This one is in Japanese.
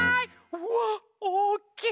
うわおおきい。